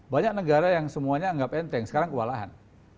banyak negara yang semuanya anggap enteng sekarang kewalahan